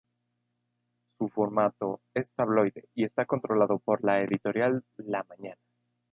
Su formato es tabloide y está controlado por la Editorial La Mañana.